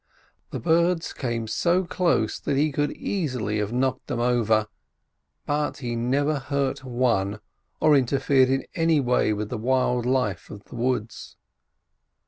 The birds came so close that he could easily have knocked them over, but he never hurt one or interfered in any way with the wild life of the woods.